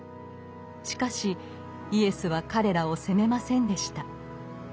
しかしイエスは彼らを責めませんでした。